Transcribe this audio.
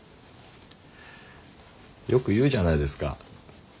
よく言うじゃないですか。